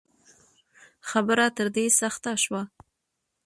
خبره تر دې سخته شوه